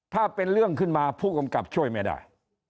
ถ้าเป็นเรื่องขึ้นมาผู้กำกับช่วยไม่ได้